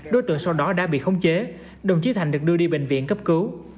đối tượng sau đó đã bị khống chế đồng chí thành được đưa đi bệnh viện cấp cứu